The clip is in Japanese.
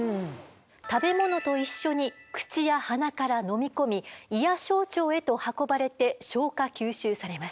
食べ物と一緒に口や鼻から飲み込み胃や小腸へと運ばれて消化吸収されます。